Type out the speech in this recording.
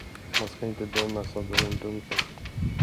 Man ska inte döma, sade hon dunkelt.